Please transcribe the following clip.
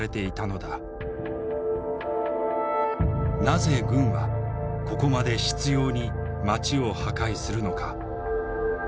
なぜ軍はここまで執ように町を破壊するのか。